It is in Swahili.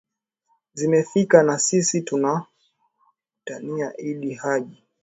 zimefika na sisi tunakutakia idd hajj